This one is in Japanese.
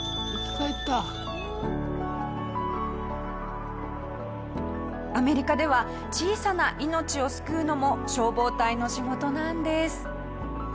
下平：アメリカでは小さな命を救うのも消防隊の仕事なんです。